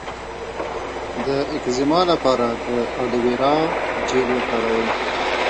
د اکزیما لپاره د ایلوویرا جیل وکاروئ